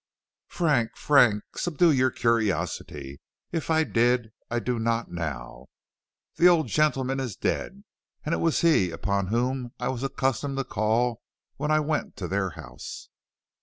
"Frank, Frank, subdue your curiosity. If I did, I do not now. The old gentleman is dead, and it was he upon whom I was accustomed to call when I went to their house."